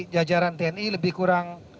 jajaran tni lebih kurang